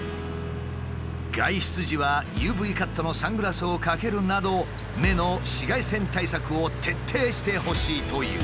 外出時はＵＶカットのサングラスをかけるなど目の紫外線対策を徹底してほしいという。